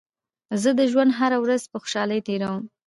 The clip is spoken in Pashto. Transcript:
زه د ژوند هره ورځ په خوشحالۍ تېروم.